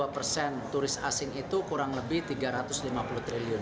dua puluh persen turis asing itu kurang lebih tiga ratus lima puluh triliun